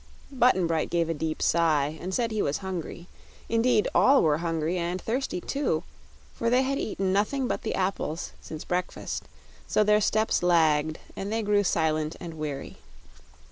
Button Bright gave a deep sigh and said he was hungry. Indeed, all were hungry, and thirsty, too; for they had eaten nothing but the apples since breakfast; so their steps lagged and they grew silent and weary.